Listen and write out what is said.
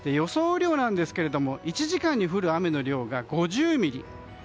雨量ですが１時間に降る雨の量が５０ミリ。